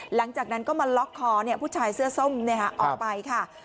หลังจากนั้นก็มาล็อกคอผู้ชายเสื้อส้มออกไปค่ะ